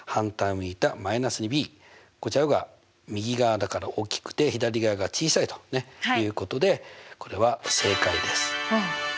こちらが右側だから大きくて左側が小さいということでこれは正解です。